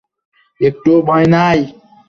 একটুও ভয় নাই।